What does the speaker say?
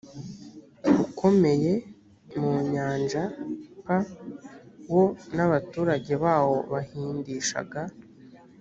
ukomeye mu nyanja p wo n abaturage bawo bahindishaga